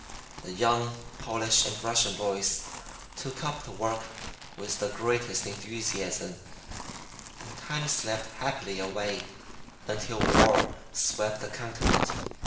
The young Polish and Russian boys took up the work with the greatest enthusiasm, and time slipped happily away, until war swept the continent.